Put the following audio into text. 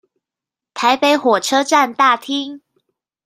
台北火車站大廳